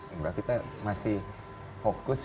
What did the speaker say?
enggak kita masih fokus